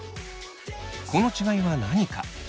この違いは何か。